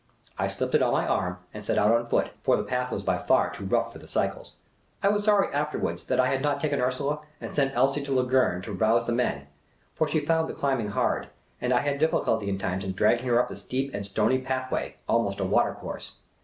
I slipped it on my arm, and set out on foot ; for the path was by far too rough for cycles. I was sorry afterwards that I had not taken Ursula, and sent Elsie to Lungern to rouse the men ; for she found the climbing hard, and I had ditii culty at times in dragging her up the steep and stony path way, almost a watercourse.